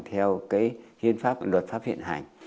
theo cái hiên pháp luật pháp hiện hành